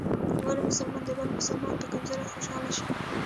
ولي مسلمان د بل ورور په کمزورۍ خوشحاله سي؟